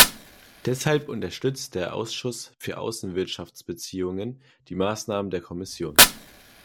Deshalb unterstützt der Ausschuss für Außenwirtschaftsbeziehungen die Maßnahmen der Kommission.